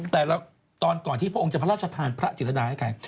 แต่ก่อนที่พระองค์จะพระราชทานพระจิตรดาให้กัน